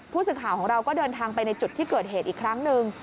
ผู้สื่อข่าวของเราก็เดินทางไปในจุดที่เกิดเหตุอีกครั้งหนึ่ง